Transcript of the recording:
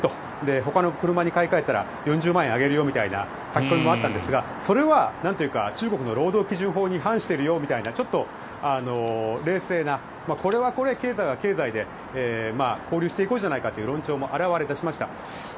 ほかの車に買い替えたら４０万円あげるよというのもあったんですがそれは中国の労働基準法に反しているよみたいなちょっと冷静なこれはこれ、経済は経済で交流していこうじゃないかという論調も現れ始めました。